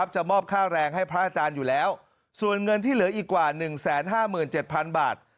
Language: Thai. จะมอบค่าแรงให้พระอาจารย์อยู่แล้วส่วนเงินที่เหลืออีกกว่า๑๕๗๐๐บาท